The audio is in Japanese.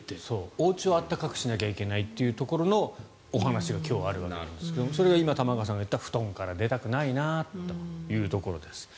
おうちを暖かくしなきゃいけないというところの話が今日、あるわけですがそれが今、玉川さんが言った布団から出たくないなというところです。